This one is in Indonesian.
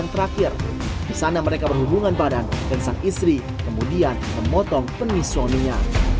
terakhir di sana mereka berhubungan badan dan sang istri kemudian memotong benih suaminya